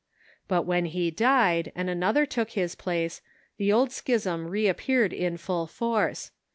But when he died, and another took his place, the old schism reappeared in full force.